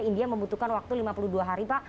india membutuhkan waktu lima puluh dua jam